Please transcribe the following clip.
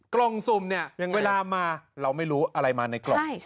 กล่องสุ่มเนี่ยเวลามาเราไม่รู้อะไรมาในกล่อง